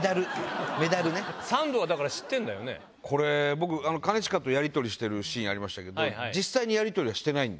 僕兼近とやりとりしてるシーンありましたけど。